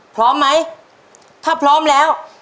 พร้อมไหมถ้าพร้อมแล้ว